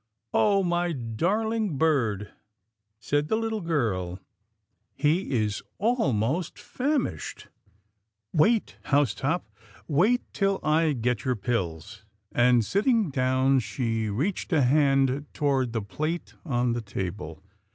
"Oh! my darhng bird," said the little girl, "he is almost famished. Wait, Housetop, 200 'TILDA JANE'S ORPHANS wait till I get your pills," and, sitting down, she reached a hand toward the plate on the table.